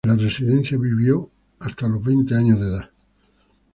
En la residencia vivió hasta los veinte años de edad.